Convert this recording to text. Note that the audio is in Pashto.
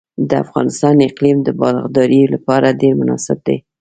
د افغانستان اقلیم د باغدارۍ لپاره ډیر مناسب دی.